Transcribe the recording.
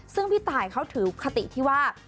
ซึ่งพี่ตายเขาถือคติที่ว่า